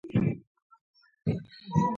مرسته کول ولې ښه دي؟